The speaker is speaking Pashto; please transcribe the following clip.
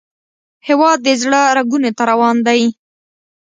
هیواد د زړه رګونو ته روان دی